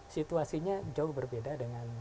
situasinya jauh berbeda dengan